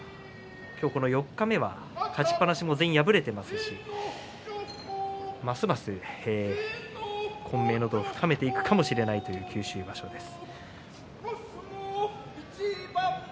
今日この四日目は勝ちっぱなしも全員敗れていますしますます混迷の度を深めていくという九州場所です。